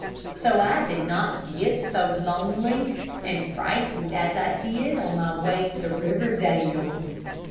So I did not get so lonely and frightened as I did on my way to Riverdale.